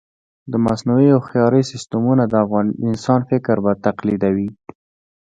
د مصنوعي هوښیارۍ سیسټمونه د انسان فکر تقلیدوي.